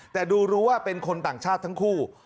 แต่ดูรู้ว่าเป็นคนต่างชาติทั้งคู่